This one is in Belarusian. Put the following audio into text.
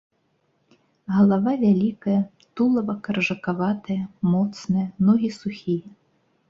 Галава вялікая, тулава каржакаватае, моцнае, ногі сухія.